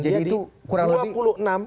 jadi itu kurang lebih